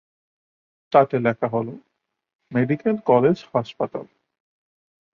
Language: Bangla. তাতে লেখা হল ‘মেডিকেল কলেজ হাসপাতাল’।